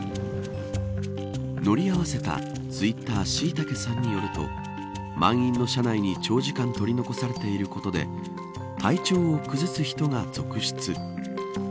乗り合わせたツイッターしいたけさんによると満員の車内に長時間取り残されていることで体調を崩す人が続出。